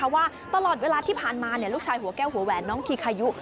ว่าตลอดเวลาที่ผ่านมาลูกชายหัวแก้วหัวแหวนน้องทีคายุ